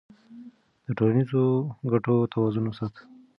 د ټولنیزو ګټو توازن وساته.